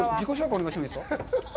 お願いしてもいいですか。